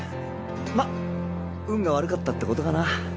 まッ運が悪かったってことかな